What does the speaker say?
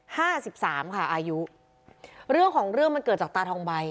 ห้าสิบสามค่ะอายุเรื่องของเรื่องมันเกิดจากตาทองใบ